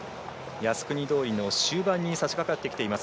靖国通りの終盤にさしかかってきています。